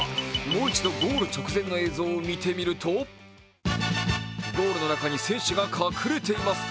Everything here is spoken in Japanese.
もう一度、ゴール直前の映像を見てみると、ゴールの中に選手が隠れています。